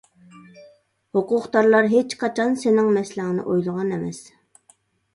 ھوقۇقدارلار ھېچقاچان سېنىڭ مەسىلەڭنى ئويلىغان ئەمەس.